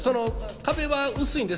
壁は薄いんです。